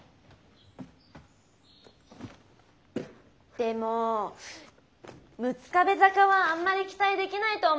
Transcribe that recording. でもォ六壁坂はあんまり期待できないと思いますよ？